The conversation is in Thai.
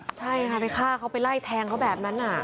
ใช่ค่ะไปฆ่าเขาไปไล่แทงเขาแบบนั้น